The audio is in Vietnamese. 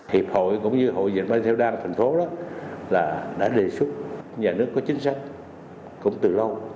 hiệp hội cũng như hội dệt mai theo đan tp hcm đã đề xuất nhà nước có chính sách cũng từ lâu